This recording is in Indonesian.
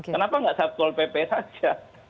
kenapa gak sub kol pp saja